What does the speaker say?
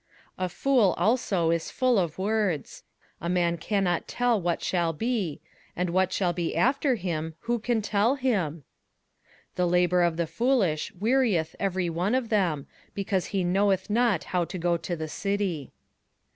21:010:014 A fool also is full of words: a man cannot tell what shall be; and what shall be after him, who can tell him? 21:010:015 The labour of the foolish wearieth every one of them, because he knoweth not how to go to the city.